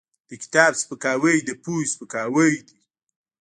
د کتاب سپکاوی د پوهې سپکاوی دی.